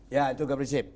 ya itu nggak prinsip